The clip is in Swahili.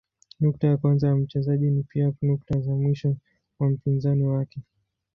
Nukta ya kwanza ya mchezaji ni pia nukta ya mwisho wa mpinzani wake.